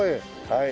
はい。